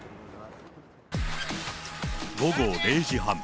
午後０時半。